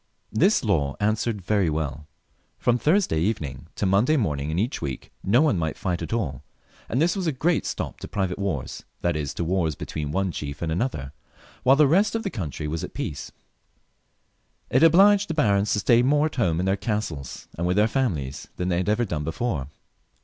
This law answered very well. From Thursday even ing to Monday morning in each week no one might fight at all, and this was a great stop to private wars, that is to wars between one chief and another, while the rest of the country was at peace. It obliged the barons to stay more at home in their castles and with their families than they had ever done before.